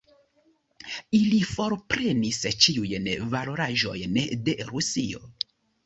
Ili forprenis ĉiujn valoraĵojn de Rusio.